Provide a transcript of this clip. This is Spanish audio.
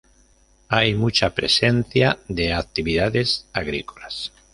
Hay mucha presencia de actividades agrícolas.